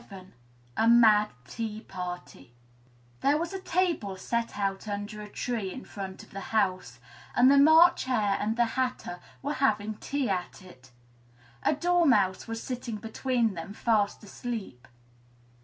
VII A MAD TEA PARTY There was a table set out under a tree in front of the house, and the March Hare and the Hatter were having tea at it; a Dormouse was sitting between them, fast asleep.